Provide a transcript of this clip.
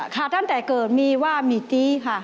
ค่ะตั้งแต่เกิดมีว่ามีตีค่ะ